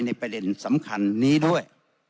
ในประเด็นสำคัญนี้ด้วย